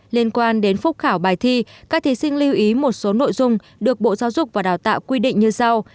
liên quan đến phúc khảo bài thi các thí sinh lưu ý một số nội dung được bộ giáo dục và đào tạo quy định như sau